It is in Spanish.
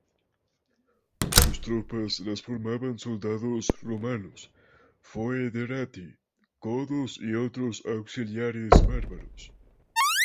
Sus tropas las formaban soldados romanos, "foederati" godos y otros auxiliares bárbaros.